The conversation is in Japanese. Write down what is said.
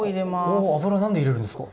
お油何で入れるんですか？